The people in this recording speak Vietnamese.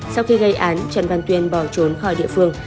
sau khi gây án trần văn tuyên bỏ trốn khỏi địa phương